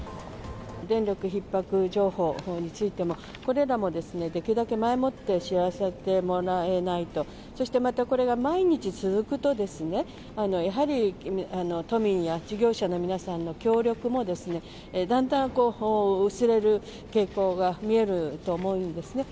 電力ひっ迫情報についても、これらもできるだけ前もって知らせてもらえないと、そしてまた、これが毎日続くと、やはり都民や事業者の皆さんの協力も、だんだん薄れる傾向が見えると思うんですね。